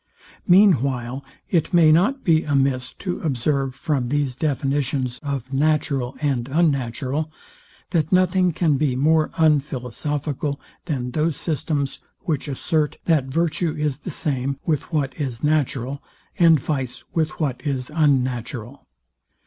Meanwhile it may not be amiss to observe from these definitions of natural and unnatural, that nothing can be more unphilosophical than those systems, which assert, that virtue is the same with what is natural, and vice with what is unnatural.